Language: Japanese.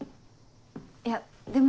いやでも。